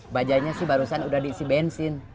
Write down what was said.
bajainya sih barusan udah diisi bensin